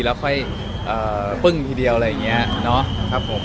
แล้วค่อยปึ้งทีเดียวอะไรอย่างนี้เนาะครับผม